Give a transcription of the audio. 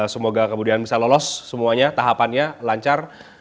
semoga kemudian bisa lolos semuanya tahapannya lancar